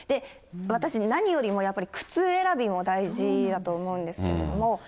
私、何よりもやっぱり靴選びも大事だと思うんですけれども。